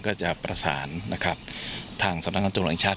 ก็จะประสานทางสำนักงานจังหลังชาติ